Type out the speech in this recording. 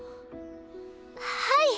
はい。